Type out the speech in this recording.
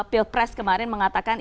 pilpres kemarin mengatakan